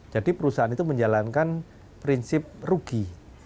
jadi perusahaan itu menjalankan prinsip rugi